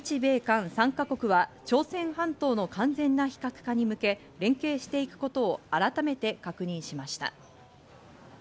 また協議で日米韓３か国は朝鮮半島の完全な非核化に向け、連携していくことを改めて確認しました。